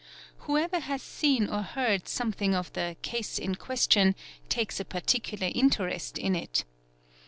Whoever has seen or heard something of the ase in question" takes a particular interest in it.